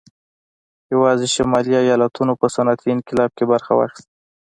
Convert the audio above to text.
یوازې شمالي ایالتونو په صنعتي انقلاب کې برخه واخیسته